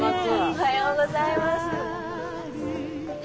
おはようございます。